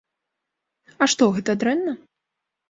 А што, гэта дрэнна?